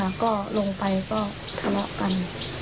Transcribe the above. แล้วก็ลงไปก็ทะเลาะกัน